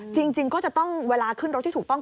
จริงก็จะต้องเวลาขึ้นรถที่ถูกต้อง